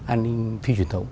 an ninh phi truyền thống